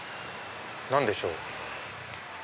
何でしょう？